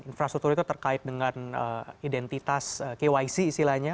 infrastruktur itu terkait dengan identitas kyc istilahnya